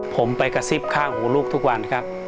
ผมไปกระซิบข้างหูลูกทุกวันครับ